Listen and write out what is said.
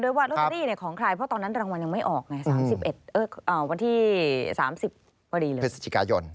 โดยว่าลอตเตอรี่เนี่ยของใครเพราะตอนนั้นรางวัลยังไม่ออกไง๓๑เอ้อวันที่๓๐พฤศจิกายน